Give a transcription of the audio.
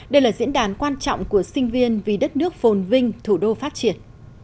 đây là diễn đàn quan trọng của sinh viên vì đất nước phồn vinh thủ đô phát triển